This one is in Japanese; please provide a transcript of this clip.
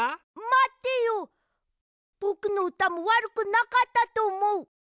ぼくのうたもわるくなかったとおもう。